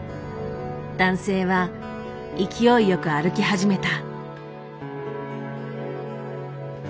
男性は勢いよく歩き始めた。